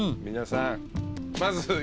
皆さん。